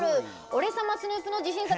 俺様スヌープの自信作。